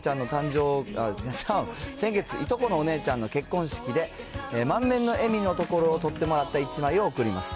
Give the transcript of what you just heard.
先月、いとこのお姉ちゃんの結婚式で、満面の笑みのところを撮ってもらった１枚を送ります。